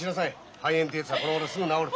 肺炎ってやつはこのごろすぐ治る。